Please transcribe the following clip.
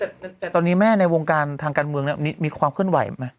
แต่ตอนนี้แม่ในวงการทางการเมืองมีความเคลื่อนไหวไหม